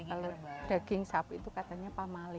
kalau daging sapi itu katanya pamali